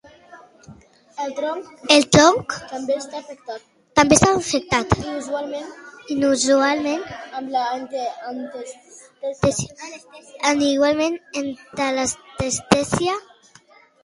El tronc també està afectat i usualment amb anestèsia.